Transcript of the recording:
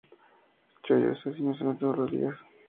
Chollos así no se ven todos los días